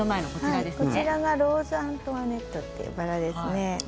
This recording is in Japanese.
こちらはローズ・アントワネットというバラです。